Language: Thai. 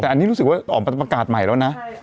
แต่อันนี้รู้สึกว่าออกมาประกาศใหม่แล้วนะ